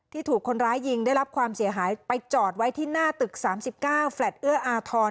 ถูกคนร้ายยิงได้รับความเสียหายไปจอดไว้ที่หน้าตึก๓๙แฟลตเอื้ออาทร